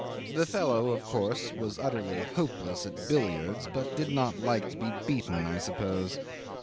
The fellow, of course, was utterly hopeless at billiards, but did not like to be beaten, I suppose.